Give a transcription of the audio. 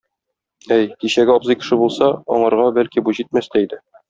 Әй, кичәге абзый кеше булса, аңарга бәлки бу җитмәс тә иде.